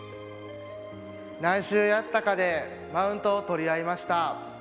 「何周やったかでマウントを取り合いました」。